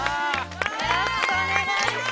よろしくお願いします。